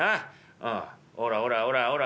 ほらほらほらほら。